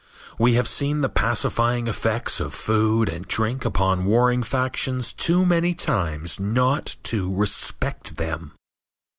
We have seen the pacifying effects of food and drink upon warring factions too many times not to respect them.